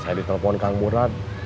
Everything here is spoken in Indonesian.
saya ditelepon kang murad